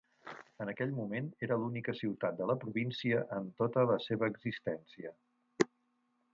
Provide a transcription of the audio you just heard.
En aquell moment era l'única ciutat de la província en tota la seva existència.